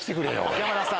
山田さん